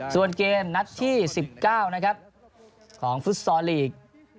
ส่วนเกมนัดที่๑๙ของฟุตซอลีก